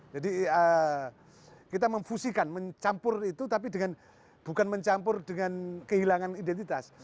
jadi kita memfusikan mencampur itu tapi dengan bukan mencampur dengan kehilangan identitas